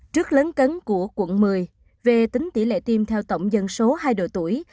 trước lớn cấn của quận một mươi về tính tỷ lệ tiêm theo tổng dân số hai độ tuổi